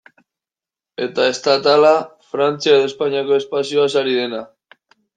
Eta estatala, Frantzia edo Espainiako espazioaz ari dena.